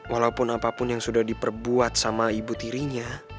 walaupun apapun yang sudah diperbuat sama ibu tirinya